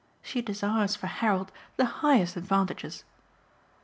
She desires for Harold the highest advantages."